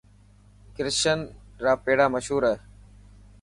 ڪرشن را پيڙا مشهور هي.